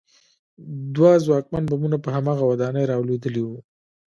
دوه ځواکمن بمونه په هماغه ودانۍ رالوېدلي وو